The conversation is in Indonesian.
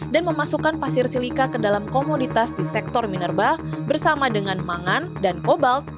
dan memasukkan pasir silika ke dalam komoditas di sektor minerba bersama dengan mangan dan kobalt